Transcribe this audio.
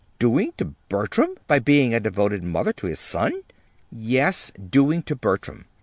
"Doing to Bertram! by being a devoted mother to his son!" "Yes, doing to Bertram.